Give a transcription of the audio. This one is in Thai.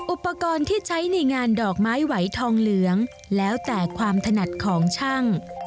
อุปกรณ์ที่ใช้ในงานดอกไม้ไหวทองเหลืองแล้วแต่ความถนัดของช่าง